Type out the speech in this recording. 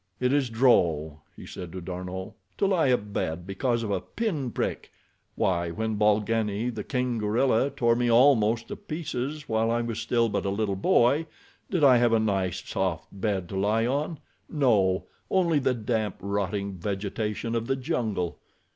"It is droll," he said to D'Arnot. "To lie abed because of a pin prick! Why, when Bolgani, the king gorilla, tore me almost to pieces, while I was still but a little boy, did I have a nice soft bed to lie on? No, only the damp, rotting vegetation of the jungle.